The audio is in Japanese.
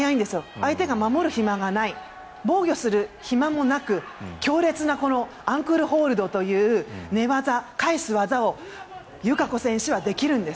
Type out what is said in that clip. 相手が守る暇がない防御する暇もなく強烈なアンクルホールドという寝技返す技を友香子選手はできるんです。